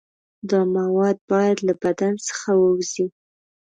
دا مواد باید له بدن څخه ووځي.